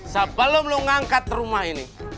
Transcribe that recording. sebelum lo ngangkat rumah ini